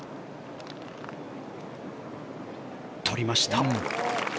取りました。